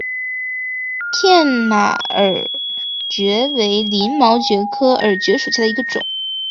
片马耳蕨为鳞毛蕨科耳蕨属下的一个种。